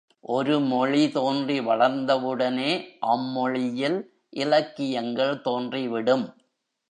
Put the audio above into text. ஒரு மொழி தோன்றி வளர்ந்தவுடனே, அம்மொழி யில் இலக்கியங்கள் தோன்றிவிடும்.